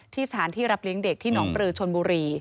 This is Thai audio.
สถานที่รับเลี้ยงเด็กที่หนองปลือชนบุรี